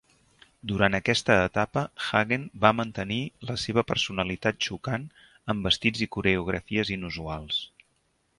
Durant aquesta etapa Hagen va mantenir la seva personalitat xocant amb vestits i coreografies inusuals.